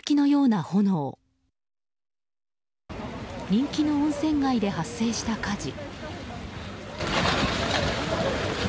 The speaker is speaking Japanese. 人気の温泉街で発生した火事。